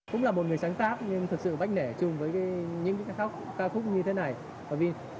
cũng là một người sáng tác nhưng thật sự bách nể chung với những khá khúc như thế này